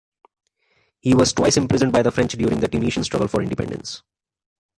He was twice imprisoned by the French during the Tunisian struggle for independence.